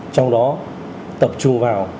trong đó tập trung vào